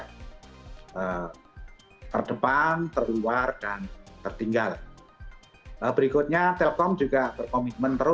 kita masih baru teluk whoever kemudian kita ampun ke dalam puncak seluruh umum vakti penal